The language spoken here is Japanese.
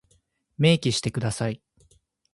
明記してください。